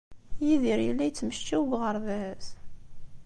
Yidir yella yettmecčiw deg uɣerbaz?